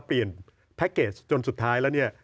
เปลี่ยนแพ็คเกจจนสุดท้ายแล้ว